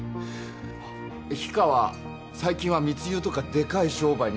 あっ氷川最近は密輸とかでかい商売に手広げてるみたい。